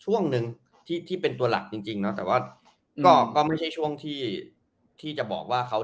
ช่วงหนึ่งที่ที่เป็นตัวหลักจริงเนอะแต่ว่าก็ไม่ใช่ช่วงที่ที่จะบอกว่าเขา